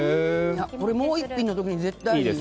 もう１品の時に絶対いい。